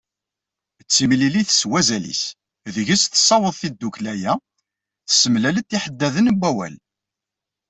D timlilit, s wazal-is. Deg-s teṣṣaweḍ tddukkla-a, tessemlal-d iḥeddaden n wawal.